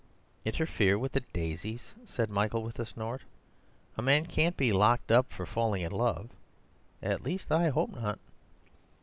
"Interfere with the daisies!" said Michael with a snort. "A man can't be locked up for falling in love—at least I hope not."